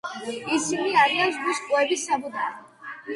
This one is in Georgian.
ისინი არის ზღვის კუების საბუდარი.